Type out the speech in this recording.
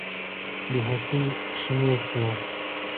بې حسۍ شنې شوې